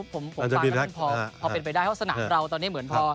พอเป็นไปได้เพราะสนามเราตอนนี้เหมือนพอ